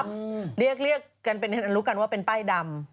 ครับเรียกกันเป็นอันลุกกันว่าเป็นป้ายดำ